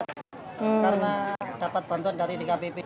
karena dapat bantuan dari dkbp